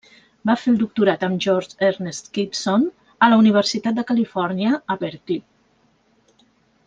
Va fer el doctorat amb George Ernest Gibson a la Universitat de Califòrnia a Berkeley.